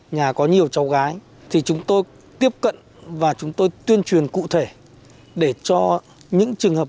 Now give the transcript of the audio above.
nhà có nhiều cháu gái thì chúng tôi tiếp cận và chúng tôi tuyên truyền cụ thể để cho những trường hợp